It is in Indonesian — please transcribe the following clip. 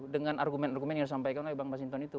dengan argumen argumen yang disampaikan oleh bang mas hinton itu